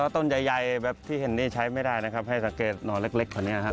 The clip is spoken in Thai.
ต้นใหญ่แบบที่เห็นนี่ใช้ไม่ได้นะครับให้สังเกตหน่อเล็กคนนี้นะครับ